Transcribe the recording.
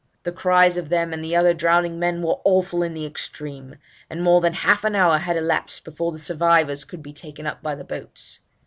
The cries of them and the other drowning men were awful in the extreme; and more than half an hour had elapsed before the survivors could be taken up by the boats.